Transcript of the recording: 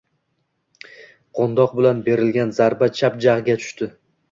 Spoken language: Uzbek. Qo`ndoq bilan berilgan zarba chap jag`ga tushdi